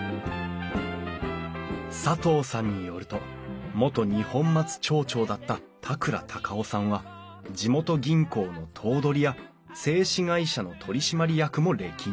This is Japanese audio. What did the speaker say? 佐藤さんによると元二本松町長だった田倉孝雄さんは地元銀行の頭取や製糸会社の取締役も歴任。